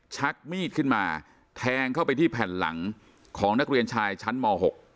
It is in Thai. ชักมีดขึ้นมาแทงเข้าไปที่แผ่นหลังของนักเรียนชายชั้นม๖